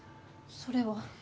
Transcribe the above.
それは。